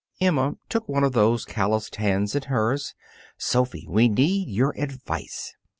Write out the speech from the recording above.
Emma took one of those calloused hands in hers. "Sophy, we need your advice.